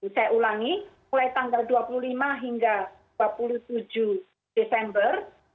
saya ulangi mulai tanggal dua puluh lima hingga dua puluh tujuh desember